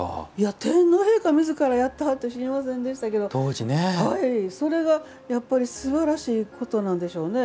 天皇陛下みずからがやってはったのは知りませんでしたけど、それがすばらしいことなんでしょうね。